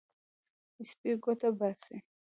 سپی ګوته باسي.